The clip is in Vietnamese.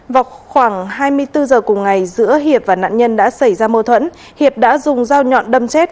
vào khoảng hai mươi bốn h cùng ngày giữa hiệp và nạn nhân đã xảy ra mâu thuẫn hiệp đã dùng dao nhọn đâm chết